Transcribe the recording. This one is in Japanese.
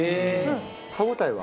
歯応えは？